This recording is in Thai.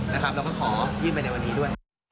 แล้วก็ขอยื่นไปในวันนี้ด้วย